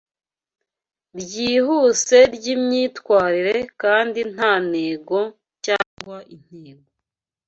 ryihuse ryimyitwarire kandi nta ntego cyangwa intego